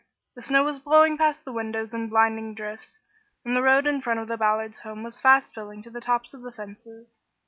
The snow was blowing past the windows in blinding drifts, and the road in front of the Ballards' home was fast filling to the tops of the fences.